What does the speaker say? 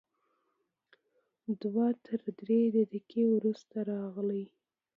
دوه تر درې دقیقې وروسته راغی.